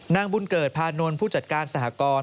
นางบุญเกิดพานนท์ผู้จัดการสหกร